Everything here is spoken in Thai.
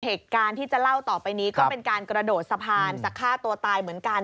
เหตุการณ์ที่จะเล่าต่อไปนี้ก็เป็นการกระโดดสะพานจะฆ่าตัวตายเหมือนกัน